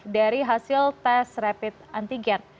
dari hasil tes rapid antigen